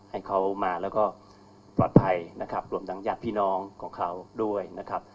ให้เขามาแล้วก็ปลอดภัยนะครับรวมทั้งญาติพี่น้องของเขาด้วยนะครับ